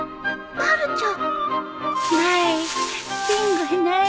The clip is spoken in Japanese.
・まるちゃん！